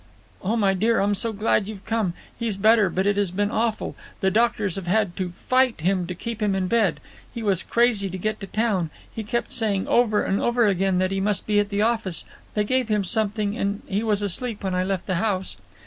"Oh, my dear, I'm so glad you've come. He's better, but it has been awful. The doctors have had to fight him to keep him in bed. He was crazy to get to town. He kept saying over and over again that he must be at the office. They gave him something, and he was asleep when I left the house."